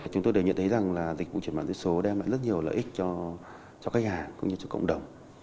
chúng tôi đều nhận thấy rằng dịch vụ chuyển mạng giữ số đem lại rất nhiều lợi ích cho khách hàng cũng như cho cộng đồng